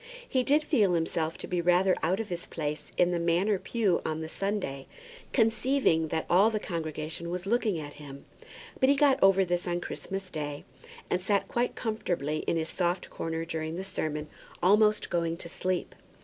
He did feel himself to be rather out of his place in the Manor pew on the Sunday, conceiving that all the congregation was looking at him; but he got over this on Christmas Day, and sat quite comfortably in his soft corner during the sermon, almost going to sleep.